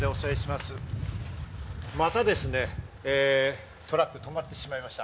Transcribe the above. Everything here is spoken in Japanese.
またですね、トラックが止まってしまいました。